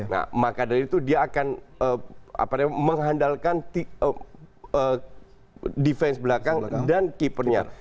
nah maka dari itu dia akan mengandalkan defense belakang dan keepernya